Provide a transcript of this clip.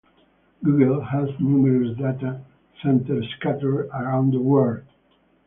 Google has numerous data centers scattered around the world.